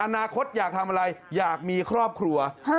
อนาคตอยากทำอะไรอยากมีครอบครัว